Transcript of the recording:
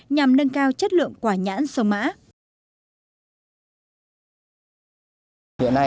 nhằm nâng cao chất lượng quả nhãn sông mã